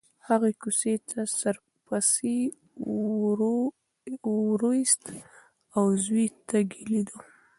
هغې کوڅې ته سر پسې وروایست او د زوی تګ یې لیده.